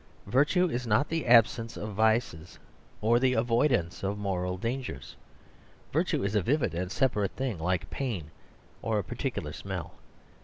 Virtue is not the absence of vices or the avoidance of moral dangers; virtue is a vivid and separate thing, like pain or a particular smell.